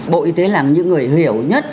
bộ y tế là những người hiểu nhất